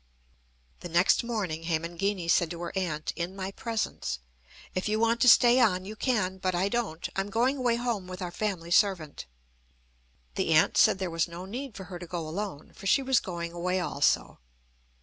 The next morning Hemangini said to her aunt in my presence: "If you want to stay on, you can. But I don't. I'm going away home with our family servant." The aunt said there was no need for her to go alone, for she was going away also.